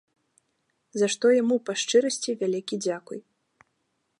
За што яму, па шчырасці, вялікі дзякуй.